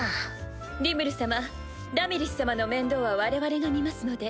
リムル様ラミリス様の面倒は我々が見ますので。